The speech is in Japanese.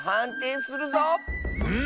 うん。